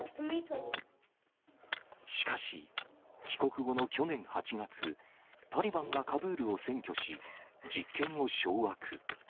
しかし、帰国後の去年８月、タリバンがカブールを占拠し、実権を掌握。